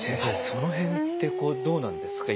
その辺ってどうなんですか？